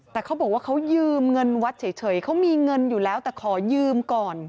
แต่เขาบอกว่าเขายืมเงินวัดเฉยเขามีเงินอยู่แล้วแต่ขอยืมก่อน